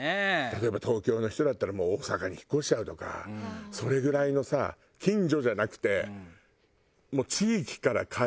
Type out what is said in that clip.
例えば東京の人だったらもう大阪に引っ越しちゃうとかそれぐらいのさそうそうそう。